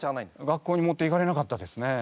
学校に持っていかれなかったですね。